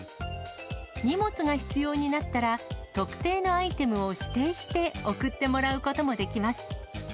荷物が必要になったら、特定のアイテムを指定して送ってもらうこともできます。